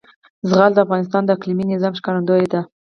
زغال د افغانستان د اقلیمي نظام ښکارندوی ده.